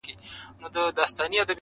په دار دي کړم مګر خاموش دي نکړم,